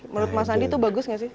menurut mas andi itu bagus gak sih